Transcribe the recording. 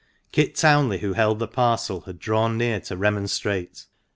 Kit Townley, who held the parcel, had drawn near to remonstrate.